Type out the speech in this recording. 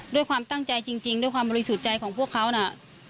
ด้วยความตั้งใจจริงด้วยความบริสุทธิ์ใจของพวกเขานะ